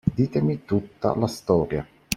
Ditemi tutta la storia.